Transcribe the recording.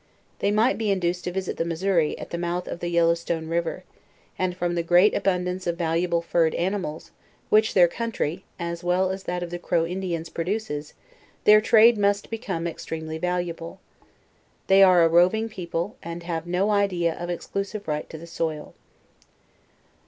They might be induced to visit the Missouri, at the mouth of the Yellow Stone river; and from the great abundance of valuable fured animals, which their country, well as that of the Crow Indians, produces, their trade must become extremly valuable. They are a roving people, and have no idea of exclusive right to the soil.